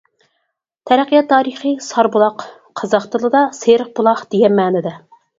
تەرەققىيات تارىخى ساربۇلاق قازاق تىلىدا «سېرىق بۇلاق» دېگەن مەنىدە.